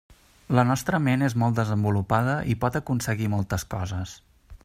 La nostra ment és molt desenvolupada i pot aconseguir moltes coses.